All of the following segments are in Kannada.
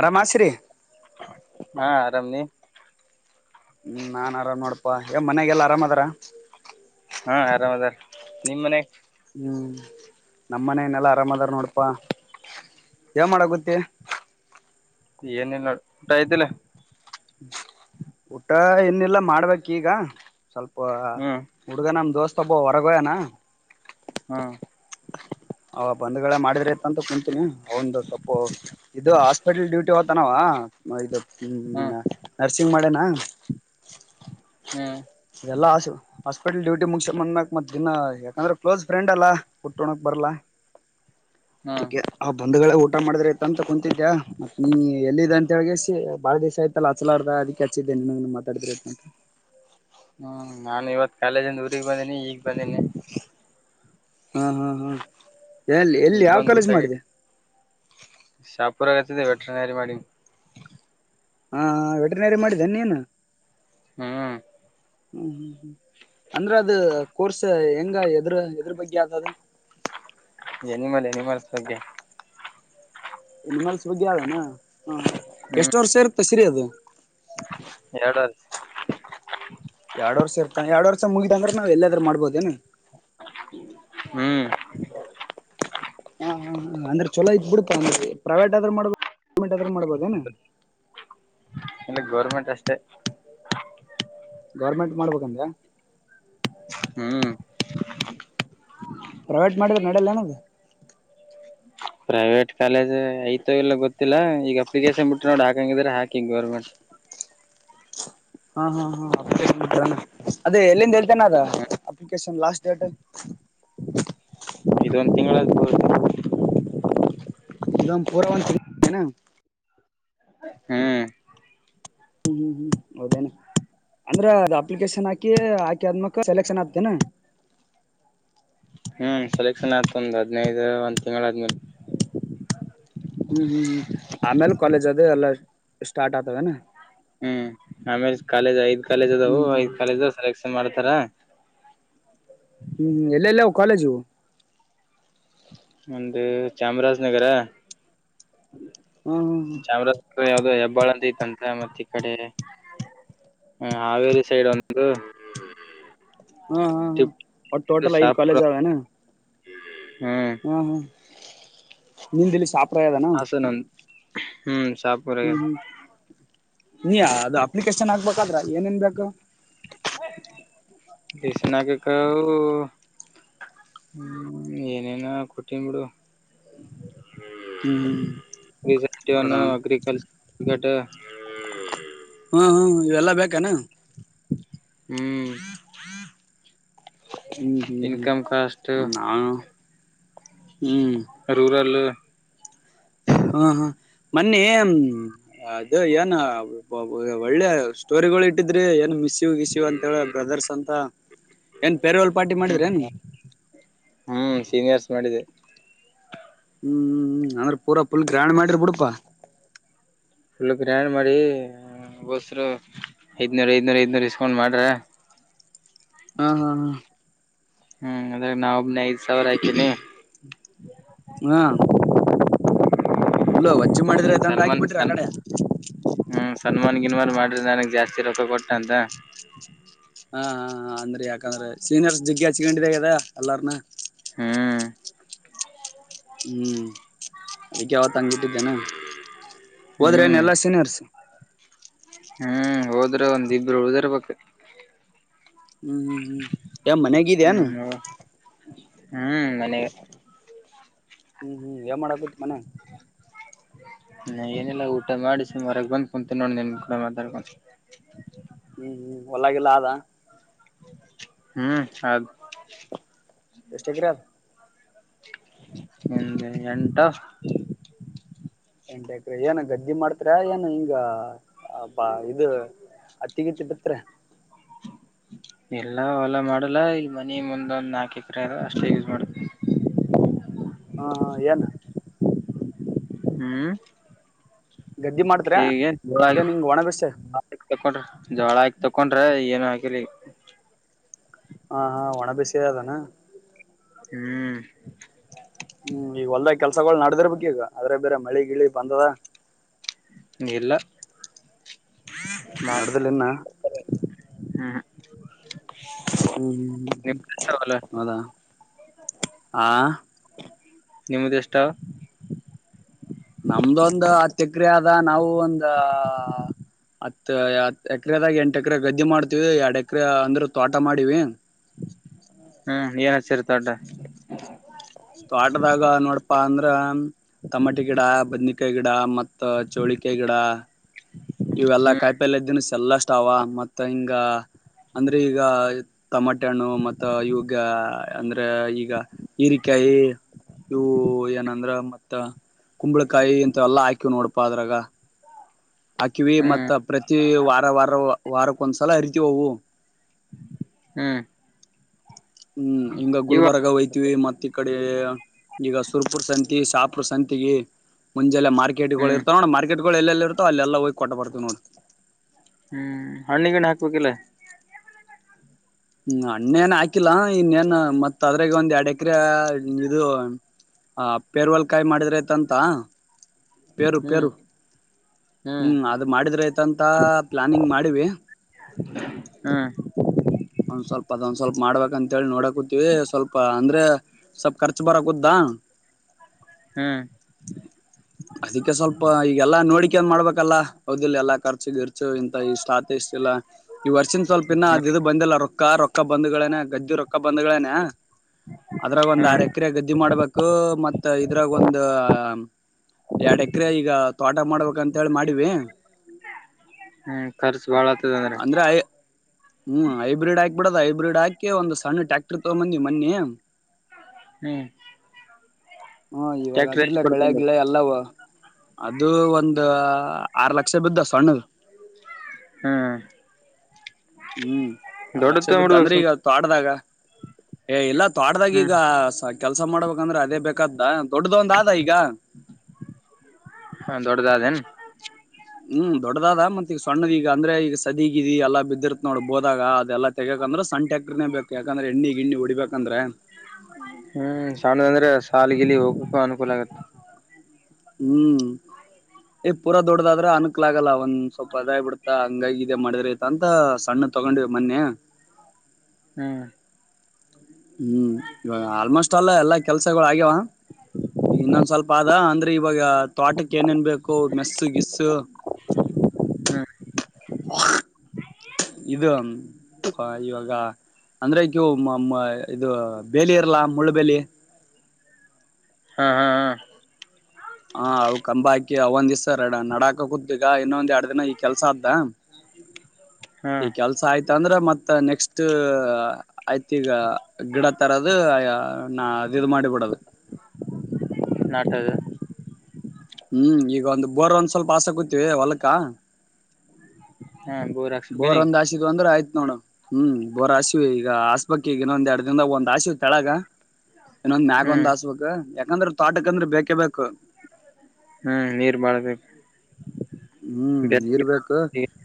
ಅರಮಾಸರ್ರೀ ಹಾ -ಆರಾಮ -ನೀ ಹ್ಮ್- ನಾನ್ ಆರಾಮ್ ನೋಡಪಾ- ಯ ಮನ್ಯಗೆಲ್ಲ ಆರಾಮ ಅದಾರ. ಹಾ ಆರಾಮ್ ಅದಾರ ನಿಮ್ ಮನೆ ಹ್ಮ್ ನಮ್ಮನನೆಲ್ಲಾ ಆರಾಮ್ದಾರ ನೋಡಪಾ ಏನ್ ಮಾಡಾಕತ್ತಿ ಏನಿಲ್ಲ ಊಟ ಆಐತಿಲ್ಲ ಊಟ ಇನ್ನಿಲ್ಲ ಮಾಡ್ಬೇಕ ಈಗ ಸ್ವಲ್ಪ ಹ್ಮ್ ಹುಡ್ಗ ನಮ್ ದೋಸ್ತ [unintelligible] ಹೊರಗ ಹೋಗ್ಯಾನ ಹ್ಮ ಅವ ಬಂದ್ಗಳ ಮಾಡಿದ್ರಿ ಇತ್ತ ಅಂತ ಕುತೀನಿ ಒಂದು ಸಪ್ಪು ಇದು ಹಾಸ್ಪಿಟಲ್ ಡ್ಯೂಟಿ ಹೋಯ್ತಾನವ ಇ [unintelligible] ಹ್ಮ್ ಮೊನ್ನೆ ನರ್ಸಿಂಗ್ ಮಾಡೇನಾ ಹ್ಮ್ ಎಲ್ಲಾ ಆಸು ಹಾಸ್ಪಿಟಲ್ ಡೂಟಿ ಮುಗಸ್ಕೊಂಡು ಬಂದ್ ಮೇಕ್ ದಿನ ಯಾಕಂದ್ರೆ ಕ್ಲೋಸ್ ಫ್ರೆ್ಡ್ ಅಲ್ಲ ಬುಟ್ಕೊಡಕ್ ಬರಲ್ಲ ಹ್ಮ್ [unintelligible] ಬಂಧಗಳೇ ಒಟ್ಟ ಊಟ ಮಾಡಿದ್ರಯ್ತಾ ಅಂತ ಕುಂತಿದ್ಯಾ ಮತ್ತ ನೀ ಎಲ್ಲಿದೆ ಅಂತ ಹೇಳಗೆ ಬಳ ದಿವ್ಸ ಆಯತಲ್ಲ ಹಚ್ಚಲಾರ್ದ ಅದಕ್ಕೆ ಹಚ್ಚಿದೆ ಇನ್ನೇನ್ ಮಾತಾಡಿದ ಇರ್ತಾನ ಹ್ಮ್ ನಾನು ಇವತ್ ಕಾಲೇಜಿಂದ ಊಗ್ ಹೋಗಿನಿ ಈಗ್ ಬಂದನಿ ಹಾ ಹಾ ಹಾ ಎಲ್ಲಿ ಎಲ್ಲಿ ಈಗ ಯಾವ ಬಂದ್ ಕಾಲೇಜು ಊಟಗೆ ಮಾಡಿದೆ ಶಾಪುರಗತ್ತಿದೆ [unintelligible] ರಿ ಮಾಡಿ ಹಾ ವೆಟನರಿ ಮಾಡಿದ್ದ ನೀ ನೀನು ಹ್ಮ್ ಹ್ಮ್ ಹ್ಮ್ ಹ್ಮ್ ಅಂದ್ರೆ ಅದ ಕೋರ್ಸ್ ಹೆಂಗ ಎದ್ರ ಎದ್ರ ಬಗ್ಗೆ ಯ್ದದ ಎನಿಮಲ್ ಎನಿಮಲ್ಸ್ ಬಗ್ಗೆ ಎನಿಮ್ಮಲ್ಸ ಬಗ್ಗೆ ಯದೆನಾ ಎಷ್ಟು ವರ್ಷ ಇರುತ್ತ ಸಿರಿಯ ಅದು ಎರಡ ವರ್ಷ ಎರಡ್ ವರ್ ಇರ್ತ ಎಡು ವರ್ಷ ಮುಗಿದ ಅಂದ್ರ ನಾವು ಎಲ್ಲಾದ್ ಮಾಡ್ಬೋ ಏನು ಹ್ಮ್ ಹ ಹ ಅಂದ್ರೆ ಚಲೋ ಆಯ್ತು ಬಿಡಪ್ಪ ಪ್ರೈವೇಟ್ ಆದ್ರೂ ಮಾಡ್ಬೋದು ಗೌರ್ಮೆಂಟ್ ಆದ್ರೂ ಮಾಡ್ಬೋದ ಏನ ರಸ್ತೆ ಗೌರ್ಮೆಂಟ್ ಮಾಡ್ಬೇಕಂದ್ರ ಹ್ಮ್ ಪ್ರೈವೇಟ್ ಮಾಡಿದ್ರ ನಡ್ಯಾಲೇನ ನಮಗೆ ಪ್ರೈವೇಟ್ ಕಾಲೇಜ್ ಹೈತೊ ಇಲ್ಲ ಗೊತ್ತಿಲ್ಲ ಈಗ ಅಪ್ಲಿಕೇಶನ್ ಬಿಟ್ಟು ನೋಡಿ ಹಾಕಂಗಿದ್ರ ಹಾಕಿಂಗ ಗವರ್ಮೆಂಟ್ ಹಾ ಹಾ ಹಾ ಅದೇ ಎಲ್ಲಿಂದ ಎ ನದ ಹ್ಮ್ ಅಪ್ಲಿಕೇಶನ್ ಲಾಸ್ಟ್ ಡೇಟ್ ಇದೊಂದ ತಿಂಗಳ ಆದ ಫುಲ್ ಪೂರ ಒಂದು ತಿಂಗ [unintelligible] ಹ್ಮ್ ಹ್ಮ್ ಹ್ಮ್ ಹ್ಮ್ ಹೌದೇನೆ ಅಂದ್ರ ಅದ ಅಪ್ಲಿಕೇಶನ್ ಹಾಕಿ ಹಾಕಿ ಆದ್ಮಕ್ ಸೆಲೆಕ್ಷನ್ ಆಗ್ತೇನ ಹ್ಮ್ ಸೆಲೆಕ್ಷನ್ ಆಯತ ಒಂದ್ ಹದ್ಿನೈದು ಒಂದ್ ತಿಂಗಳಾದ್ಮೇಲೆ ಹ್ಮ್ ಹ್ಮ್ ಹ್ಮ್ ಆಮೇಲ್ ಕಾಲೇಜ್ ಅದೇ ಎಲ್ಲಾ ಸ್ಟಾರ್ಟ್ ಆತವನಾ ಹ್ಮ್ ಆಮೇಲೆ ಕಾಲೇಜ್ ಐ್ ಕಾಲೇಜ್ ಅದವು ಹ್ಮ್ ಹ್ಮ್ ಐದ್ ಕಾಲೇಜ ಸೆಲೆಕ್ಷನ್ ಮಾಡ್ತ ತರ ಹ್ಮ್ ಎಲ್ಲೆಲ್ಲ ಕಾಲೇಜು ಇವು ಒಂದು ಚಾಮರಾಜನಗರ ಹಾ ಹಾ ಚಾಮರಾಜ ಯಾವ್ದೋ ಹೆಬ್ಬಾಳ ಅಂತ ತ್ಂತ ಮತ್ತೆ ಈ ಕಡೆ ಹ್ಮ ಹಾವೇರಿ ಸೈಡ್ ಒಂದು ಹಾ ಹಾ ಹಾ ಟಿಪ್ಪು ಅವ ಟೋಟಲ್ ಐದ್ ಕಾಲೇಜ್ ಅವೇನಾ ಹಾ ಹಾ ಹಾ ನಿಂದಿಲ್ಲಿ ಸಾಪ ಹಸನಂದು ಹ್ಮ್ ಶಾಪುರ ಹ್ಮ್ ಹ್ಮ್ ನೀ ಅದು ಅಪ್ಲಿಕೇಶನ್ ಹಾಕ್ಬೇಕಾದ್ರ ಏನ್ೇನ್ಬೇಕ ದಿಸನಾಗೆ ಕ ಹ್ಮ್ ಏನೇನ ಕೊಟ್ಟನ್ ಬಿಿಡು ಹ್ಮ್ ಹೌದಾ ಗ್ರಿಕಲ್ರ್ ಡು ಹ್ಮ ಹ್ಮ್ ಇವೆಲ್ಲಾ ಬೇಕಾನ ಹ್ಮ್ ಹ್ಮ್ ಹ್ಮ್ ಹ್ಮ್ ಇನ್ಕಮ್ ಕಸ್ಟ ನಾನು ಹ್ಮ್ ರೂರಲ್ ಹಾ ಹಾ ಮನ್ನೆ ಅದ ಏನ್ ಒಳ್ಳೆ ಸ್ಟೋರಿಗಳು ಇಟ್ಟಿದ್ರೆ ಏನ್ ಶಿವ ಗಿಸಿವ್ ಅಂತ ಹೇಳ ಬ್ರದರ್ಸ್ ಅಂತ ಏನ್ ಪೇರ್ವೆಲ್ ಪಾರ್ಟಿ ಮಾಡಿದ್ರ ಏನು ಹ್ಮ್ ಸೀನಿಯರ್ಸ್ ಮಾಡಿದ್ದ ಹ್ಮ್ ಅಂದ್ರೆ ಪೂರಾ ಫುಲ್ ಗ್ರಹಣ್ ಮಾಡಿರ್ ಬಿಡ್ಪಾ ಫಲ್ಲ ಗ್ರ್ಯಾಂಡ್ ಮಾಡಿ ಬೋಸ್ರು ಐದ್ನೂರ ಐದನೂರ ಐದನೂರ್ ಡಿಸ್ಕೌಂಟ್ ಮಾಡ್ರ ಹಾ ಹಾ ಹಾ ಹ್ಮ್ ಅದ್ರ ನಾವ ಒಬ್ನ ಐದ್ ಸಾವಿರ ಹಾಕಿನಿ ಉಲ್ಲಜ್ ಹ್ಮ ಸನ್ಮನ್ ಸನ್ ಹ್ಮ ಸನ್ಮನ್ ನನ್ಗವಾರ ಮಾಡ್ರ ನನಗ್ ಜಾಸ್ತಿ ರೊಕ್ಕ ಕೊಟ್ಟ ಅಂತ ಹಾ ಹಾ ಅಂದ್ರಿ ಯಾಕಂದ್ರೆ ಸೀನಿಯರ್ಸ್ ಜಿಗ್ಗಿ ಹಚ್ಕೊಂಡಿದ ಅದ ಎಲ್ಲಾರ್ನ ಹ್ಮ್ ಹ್ಮ್ ಅದಕ್ಕೆ ಯಾವತ್ ಹಂಗಿಟ್ಟಿದ್ದೇನಾ ಹೋದ್ರೆ ಏನ್ ಹ್ಮ್ ಎಲ್ಲಾ ಸೀನಿಯರ್ಸ್ ಹ್ಮ್ ಹೋದ್ರ ಒಂದ ಇಬ್ರು ಉಳದರ್ ಬ ಹ್ಮ್ ಹ್ಮ್ ಹ್ಮ್ ಯ ಮನೆಗಿದನು ಹ್ಮ್ ಹ್ಮ್ ಮನೆ ಹ್ಮ್ ಹ್ಮ್ ಏನ್ ಮಾಡಕೂತಿ ಮನ್ಯಾಗ ನ ಏನಿಲ್ಲ ಊಟ ಮಾಡಿ ಸುರಗೆ ಬಂದ್ ಕುಂತೀನಿ ನೋಡಿ ನನ್ ಕೂಡ ಮಾತಾಡ್ಕೊಂಡ ಹ್ಮ್ ಹ್ಮ್ ಹೊಲಾಗಿಲ್ಲ ಆದ ಹ್ಮ್ ಅದು ಎಷ್ಟ್ ಎಕರೆ ಅದ ಹ ಎಂಟಾ ಎಂಟ ಎಕ್ರ ಏನು ಗದ್ದಿ ಮಾಡ್ತಾರ ಏನು ಹಿಂಗ ಬಾ ಇದು ಹತ್ತಿಗೆ ತಿಟ್ಟತ್ರ ಎಲ್ಲ ಹೊಲ್ಲಾ ಮಾಡಲ್ಲ ಇ ಮನಿ ಮುಂದ್ದ್ ನಾಕು ಎಕರೆ ಇದು ಅಷ್ಟೇ ಯೂಸ್ ಮಾಡ್ತವಿ ಹಾ ಹಾ ನು ಹ್ಮ್ ಗದ್ದಿ ಮಾಡ್ತೀರಾ ಹಗೆ ಏನ್ ಹಿಂಗ್ ಒಣ ಬೇಸಾಯ ತಕೊಂಡ್ರ ಜೋಳ ಆಕ್ ತಕೊಂಡ್ರ ಏನು ಹಾಕಲಿ ಹ ಹಾ ಒಣ ಬಸಿಯ ಅದಾನ ಹ್ಮ್ ಹ್ಮ್ ಈಗ ಹೊಲ್ದ ಕೆಲ್ಸಗಳಗಳು ನಡದ್ರ ಬಗ್ ಈಗ ಆದದ್ರೆ ಬೇರೆ ಮಳಿ ಗಿಳಿ ಬಂದದ ನೀ ಎಲ್ಲ ನಡೆದದಲ್ಲಿನ್ನ ಹ್ಮ ಹ್ಮ್ ಹ್ಮ್ ಹೌದಾ ಆ ನಿಮ್ಮ್ದ ಎಷ್ಟ ನಮ್ದೊಂದು ಅತ್ಯಕ್ರಿಯೆ ಅದ ನಾವು ಒಂದ ಎಕರೆದಾಗ ಎಂಟ ಎಕರೆ ಗದ್ದೆ ಮಾಡ್ತೀವಿ ಎರಡ್ ಎಕರೆ ಅಂದ್ರ ತೋಟ ಮಾಡಿವಿ ಹ್ಮ್ ಏನ್ ಹಸರಿ ತೊಡ ಆಟದಾಗ ನೋಡ ಪ್ಪ ಅಂದ್ರ ತಮಾಟೆ ಗಿಡ ಬದನಿಕಾಯಿ ಗಿಡ ಮತ್ ಚೌಳಿಕಾಯಿ ಗಿಡ ಇವೆಲ್ಲಾ ಹ್ಮ್ ಕಾಯಿಪಲ್ ಇದ್ದಿನ ಎಲ್ಲಷ್ಟ ಅವ ಮತ್ತ ಹಿಂಗ ಅಂದ್ರೆ ಈಗ ಟಮಾಟೆ ಹಣ್ಣು ಮತ್ತ ಇವಾಗ ಅಂದ್ರೆ ಈಗ ಹರಿಕೆ ಹ ಇವು ಏನಂದ್ರ ಮತ್ತ ಕುಂಬಳಕಾಯಿ ಇಂತ ಎಲ್ಲಾ ಹಾಕಿವ್ ನೋಡಪಾ ಅದ್ರಾಗ ಹಾಕಿವವಿ ಹ್ಮ್ ಮತ್ತ್ತ ಪ್ರತಿ ವಾರ ವಾರ ವಾರಕ್ ಒಂದ್ಸಲ ಹರಿತಿೀವಿ ಅವು ಹ್ಮ್ ಹ್ಮ್ ಹಿಂಗ ಇವ ಗುಲ್ಬರ್ಗ ಹಯ್ತಿವಿ ಮತ್ತ ಈ ಕಡೆ ಈಗ ಸುರ್ಪುರ್ ಸನ್ ಸಾಪ್ರ ಸಂತಿಗೆ ಮುಂಜೆಲ್ಲ ಮಾರ್ಕೆಟ್ ಗಳು ಹ್ಮ್ ಇರ್ತವೆ ನೋ ಮಾರ್ಕೆಟ್ ಗಳು ಎಲ್ಲೆಲ್ಲಿ ಇತ್ತ ಅಲ್ಲೆಲ್ಲಾ ಹೋಗಿ ಕೊಟ್ಟ ಬರ್ತವಿ ನೋಡ್ ಹ್ಮ್ ಹಣ್ಣಿಗಿಣ ಹಾಕ್ಬೇಕಿಲ್ಲ ಹ್ಮ ಅಣ್ಣೇ ನ್ ಹಾಕಿಲ್ಲಾ ಇನ್ನೇನ್ ಮತ್ ಅದ್ರಾಗ ಒಂದ್ ಎರಡ್ ಎಕರೆ ಇದು ಹ ಪೇರ್ವಲ್ಕಾಯಿ ಮಾಡಿದ್ರ ಐತಂತ ಪೇರು ಹ್ಮ್ ಪೇರು ಹ್ಮ್ ಅದು ಮಾಡಿದ್ರತ ಪ್ಲಾನಿಂಗ್ ಮಾಡ ಹ್ಮ್ ಒಂದ್ ಸ್ವಲ್ಪ ಅದೊಂದ್ ಸ್ವಲ್ಪ ಮಾಡ್ಬೇಕ ಅಂತ ಹೇಳೇಳಿ ನೋಡಕೂತಿವಿ ಸ್ವಲ್ಪ ಅಂದ್ರೆ ಸ್ವಲ್ಪ ಖರ್ಚು ಬರಾಗದಾ ಹ್ಮ್ ಅದಕ್ಕೆ ಸ್ವಲ್ಪ ಈಗೆಲ್ಲಾ ನೋಡಿ ನ್ ಮಾಡ್ಬೇಕಲ್ಲಾದಲ್ಲಾ ಖರ್ಚಗ ಇರ್ತ ಇಂತ ಇಷ್ಟತ್ ಇಷ್ಟ ಇಲ್ಲ ಈ ವರ್ಷಿಂದ ಸ್ವಲ್ಪ ಇನ್ನ ಹ್ಮ್ ಅ ಇದ ಬಂದಿಲ್ಲ ರೊಕ್ಕ ರೊಕ್ಕ ಬಂದ್ಗಳೇನ ಗಜ್ಜು ರೊಕ್ಕ ಬಂದ್ಗಳೇನ ಅದ್ರಾಗ ಒಂದ್ ಆರ್ ಹ್ಮ್ ಎಕರೆ ಗದ್ದಿ ಮಾಡ್ಬೇಕು ಮತ್ ಇದ್ರಾಗ ಒಂದು ಎರಡ್ ಎಕರೆ ಈಗ ತೋಟ ಮಾಡ್ಬೇಕಂತ ಹೇಳಿ ಮಾಡಿವ ಹ್ಮ್ ಖರ್ಚು ಭಾಳ ಆತದ ಅಂದ್ರೆ ಹ್ಮ್ ಹೈಬ್ರಡ್ ಹಾಕ್ಬ ಬಿಡದು ಹೈಬ್ರಿಡ್ ಹಾಿ ಒಂದು ಸಣ್ಣಟಕ್ ಕತ ಮಂದಿ ಮನ್ನೆ ಹ್ಮ್ ಹ್ಮ ಇವಾಗ ಟ್ಯಾಕ್ಟರ್ ಎಷ್ಟ ಅದ್ರಲ್ಲ ಳೆ ಕೊಡ್ತಂದ್ರ ಗಿಳೆ ಅಲ್ಲವ ಅದು ಒಂದ ಆರು ಲಕ್ಷ ಬಿದ್ದ ಸಣ್ಣದ ಹ್ಮ್ ಹ್ಮ್ ಆರ್ ದೊಡ್ಡ ಲಕ್ಷ ತಗ್ಬಿಡ್ಬೇಕ ಬಿದ್ದಂದ್ರಿ ಸುಮ್ ಈಗ ತ ಆಡ್ದಾಗ ಏ ಇಲ್ಲ ಆಡ್ದಾಗ ಈಗ ಹ್ಮ್ ಕೆಲಸ ಮಾಡ್ಬೇಕಂದ್ರೆ ಅದೇ ಬೇಕಾದ ದೊಡ್ಡದೊಂದ ಆದದ ಈಗ ಹ ದೊಡ್ಡದಾದೇನ್ ಹ್ಮ್ ದೊಡ್ಡದ ಮತ್ತಗ ಸಣ್ಣದ ಈಗ ಅಂದ್ರೆ ಈಗ ಸದೀಗಿದಿ ಎಲ್ಲ ಬಿದ್ದಿರ್ತ್ ನೋಡ ಬೋದಾಗ ದೆಲ್ಲ ತಗಕಂದ್ರೆ ಸಂಟ್ಯಾಕ್ಟನೆ ಬೇಕು ಯಾಕಂದ್ರೆ ಎಣ್ಣಿಗ್ಿ್ಣಿ ಹೊಡಿಬೇಕಂದ್ರೆ ಹ್ಮ್ ಸಣ್ಣದಂದ್ರೆ ಸಾಲಗಿಲಿ ಹೋಗ್ಕ್ಕು ಅನುಕೂಲ ಆಗತ್ತೆ ಹ್ಮ್ ಏ್ ಪೂರ ದೊಡದ ಆದ್ರ ಅನ್ಕ್ಲಾಗಲ್ಲ ಒಂದ್ ಸ್ವಲ್ಪ ಅದಾಯ ಬಿಡ್ತಾ ಹಂಗ ಇೇ ಮಾಡಿದ್ರತ ಅಂತ ಸಣ್ಣ ತೊಗೊಂಡ ಮೊನ್ನೆ ಹ್ಮ್ ಹ್ಮ್ ಇವಾಗ ಆಲ್ಮೋಸ್ಟ್ ಎಲ್ಲ ಎಲ್ಲಾ ಕೆಲ್ಸಗಳು ಆಗ್ಯಾವ ಈಗ ಇನ್ನೊಂದ್ ಸ್ವಲ್ಪ ಆದದ ಅಂದ್ರೆ ಇವಾಗ ತೋಟಕ್ಕೆ ಏನೇನ್ ಬೇಕು ಮೆಸ್ಸು ಗಿಸ್ಸು ಹ್ಮ್ ಇದು ಇವಾಗ ಅಂದ್ರೆ ಕವು ಇದು ಬೇಲಿ ಇರಲ್ಲಾ ಮುಳ್ಳುಬೇಲಿ ಹಾಂ ಹಾ ಹಾ ಹಾ ಅವ ಕಂಬ ಆಯತು ಒಂದ್ ದ್ಸ ನಡಾಕ ಕುದ್ದಿಗ ಇನ್ನೊಂದ್ ಎರಡ್ ದಿನ ಈ ಕೆಲ್ಸ ಅದ್ದ ಹಾ ಈ ಕೆಲಸ ಂದ್ರ ಮತ್ತ ನೆಕ್ಸ್ಟ್ ಆಯ್ತಿ ಈಗ ಗಿಡ ತರದ ನ ಇದು ಮಾಡಿಬಡದು ಇಟ [inaudible] ಹ್ಮ್ ಈಗ ಒಂದು ಬೋರ್ ಒಂದ ಸ್ವಲ್ಪ ಆಸೆ ಕೂತಿವಿ ಹೊಲಕ್ಕ [unintelligible] ಬೋರ್ ಹಾಕ್ಸಕನಿ ಒಂದ್ ಹಾಕಿದೆ ಅಂದ್ರೆ ಆಯಿತು. ನೋಡ ಹ್ಮ್ ಬೋರ್ ಹಶಿವ ಈಗ ಆಸ್ಪಕ್ಕ ಈಗ ಇನ್ನೊಂದ ಎರಡ್ ದಿನದ ಒಂದ್ ಆಶಿವ ತೆಳಗ. ಇನ್ನೊಂದ್ ಮ್ಯಾಗ ಒಂದ್ ಹ್ಮ್ ಹಸ್ಬೇಕ್ ಯಾಕಂದ್ರ ತೋಟಕಂದ್ರೆ ಬೇಕೇ ಬೇಕು. ಹ್ಮ್ ನೀರ್ ಬಾಳ್ಬೇಕು. ಹ್ಮ್ ಬೆಳಗ್ಗೆ ನೀರ್ಬೇಕು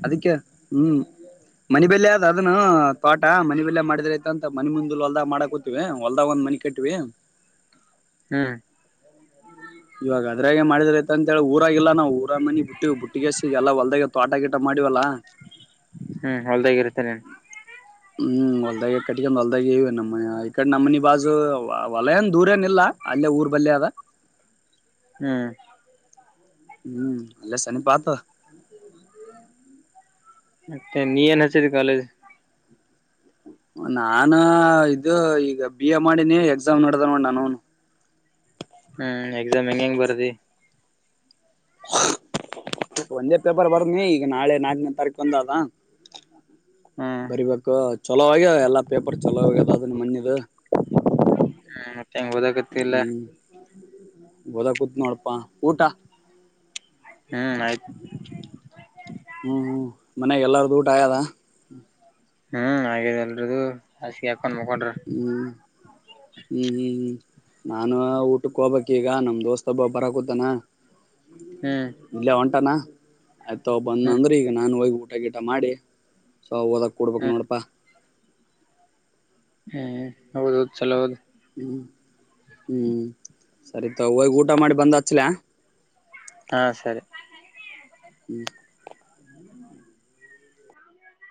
ಅದಕ್ಕೆ. ಹ್ಮ್ ಮನಬಲ್ಯ ಆದ್ ಅದನ್ನ ತೋಟ ಮನಬಲ್ಯ ಮಾಡಿದ್ರ ಆತಂತ ಮನೆ ಮುಂದ. ಹೊಲ್ದ್ ಮಾಡಕ್ ಕೂತವಿ ಹೊಲ್ದಾಗ ಒಂದ್ ಮನಿ ಕಟ್ಿವ. ಹ್ಮ್. ಇವಾಗ ಅದ್ರಾಗೆ ಮಾಡಿದ್ರ ಐತ ಅಂತ ಹೇಳಿ ಊರಾಗಿಲ್ಲಾ ನಾವವು ಊರ ಮನಿ ಬಿಟ್ಟವಿ. ಮಡಿವಲ್ಲ ಹ್ಮ್ ಹೊಲ್ದಾಗಿರುತ್ತೆ ನೀನ್ ಹ್ಮ್ ಹೊಲದಗೆ ಕಟ್ಟಿಗೆ. ಾಗ ಇವ ನಮ್ಮನ ಈಕಡೆ ನಮ್ಮನಿ ಬಾಜು ಹೊಲಯನ್ ದೂರ ಏನ್ ಇಲ್ಲ ಅಲ್ಲೇ ಊರ್ ಬಲ್ೇ ಅದ. [unintelligible] ಹ್ಮ್. ಹ್ಮ್ ಅಲ್ಲ ಸ ನೀ ಪತ. ಮತ್ತೆ ನೀ ಏನ್ ಹಚ್ಚಿದ ಕಾಲೇಜ್. ನಾನ ಇದು ಈಗ ಬಿ ಎ ಮಾಡಿನೇ ಎಕ್ಸಾಮ್ ನೋಡ್ದ ನೋಾನೂನು.. ಹ್ಮ್ ಎಕ್ಸಾಮ್ ಹೆಂಗ ಹೆಂಗ್ ಬರದಿ. ಹ [unintelligible] ಒಂದೇ ಪೇಪರ್ ಬರ್ನ ಈಗ ನಾಳೆ ನಾಕನೇ ತಾರೀಕು ಬಂದಾದ. ಹ್ಮ್ ಬರಿಬೇಕು ಚಲೋ ಆಗ್ಯ ಎಲ್ಲಾ ಪೇಪರ್ ಚಲೋ ಆಗ್ಯದ ಅದನ್ನ ಮೊನ್ನದು. ಹ್ಮ್ ಮತ್ತೆ ಹೆಂಗ್ ಹಓದಾಗತ್ತ ಇಲ್ಲ. ಬೋದ ಕೂತ್ ನೋಡಪ್ಪಾ ಊಟ. ಹ್ಮ್ ಆಯ್ತು. ಹ್ಮ್ ಹ್ಮ್ ಮನ್ಾಗ ಎಲ್ಲಾರ್ದು ಊಟ ಆಗದ. ಹ್ಮ್ ಹಾಗೇಿದೆ ಎಲ್ರದು [unintelligible] ಹ್ಮ್ ಹ್ಮ್ ಹ್ಮ್ ಹ್ಮ್. ನಾನ ಊಟಕ್ಕೆ ಹೋಗಬಕ್ ಈಗ ನಮ್ ದೋಸ್ತ ಹಬ್ಬ ಬರಕೂತಾನ. ಹ್ಮ್ ಇಲ್ಲೇ ಒಂಟಾನ ಆಯ್ತಾವ ಬಂದ ಹ್ಮ್ ಅಂದ್ರೆ ಈಗ ನಾನು ಹೋಗ್ಬಿಟ್ಟ. ಊಟ ಗೀಟ ಮಾಡಿ ಸೊ ಓದಕ್ ಕುೂಡ್ಬೇಕಕ್ ಹ್ಮ್ ನೋಡಪಾ. ಹ್ಮ್ ಹೌದೌದು್ ಚಲೋ ಹೌದು. ಹ್ಮ್ ಹ್ಮ್ ಸರಿತ ಹೋಗ ಊಟ ಮಾಡಿ ಬಂದ ಹಚ್ಲ. ಹಾ ಸರಿ. ಹ್ಮ್.